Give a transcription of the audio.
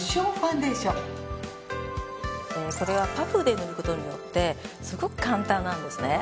これはパフで塗ることによってすごく簡単なんですね。